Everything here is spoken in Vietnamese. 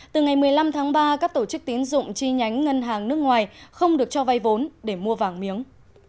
từ ngày một mươi năm tháng ba các tổ chức tín dụng chi nhánh ngân hàng nước ngoài không được cho vay vốn để mua vàng miếng